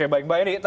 baik mbak eni